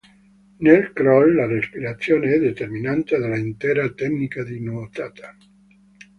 Nel crawl la respirazione è determinante dell'intera tecnica di nuotata.